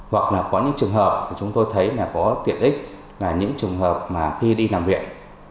hoặc là có những trường hợp chúng tôi thấy có tiện ích là những trường hợp khi đi làm việc